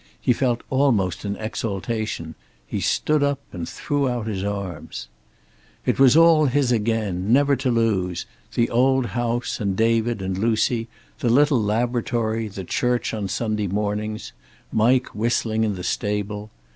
He felt almost an exaltation. He stood up and threw out his arms. It was all his again, never to lose, the old house, and David and Lucy; the little laboratory; the church on Sunday mornings. Mike, whistling in the stable.